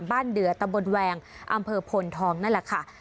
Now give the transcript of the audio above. เดือตำบลแวงอำเภอพลทองนั่นแหละค่ะ